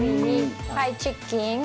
はいチキン。